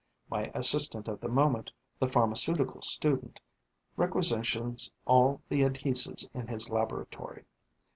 My assistant of the moment, the pharmaceutical student, requisitions all the adhesives in his laboratory.